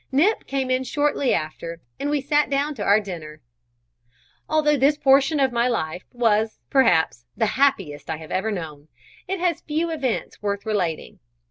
Nip came in shortly after, and we sat down to our dinner. Although this portion of my life was, perhaps, the happiest I have ever known, it has few events worth relating.